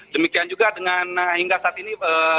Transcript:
demikian juga dengan hingga saat ini